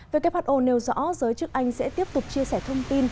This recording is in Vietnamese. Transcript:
who nêu rõ giới chức anh sẽ tiếp tục chia sẻ thông tin